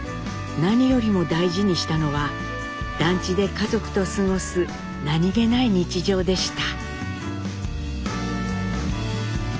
何よりも大事にしたのは団地で家族と過ごす何気ない日常でした。